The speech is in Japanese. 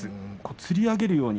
つり上げるように。